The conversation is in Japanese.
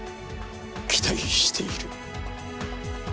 期待している。